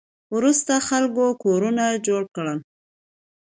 وروسته خلکو کورونه جوړ کړل